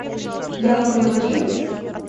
Я вам говорил?